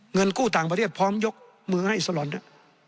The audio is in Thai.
เงินกู้ต่างประเทศพร้อมยกมือให้สลอนด้วย